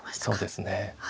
そうですね。